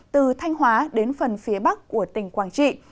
từ thanh hóa đến phần phía bắc của tỉnh quảng trị